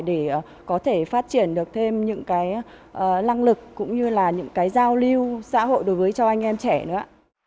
để có thể phát triển được thêm những lăng lực cũng như là những giao lưu xã hội đối với cho anh em trẻ nữa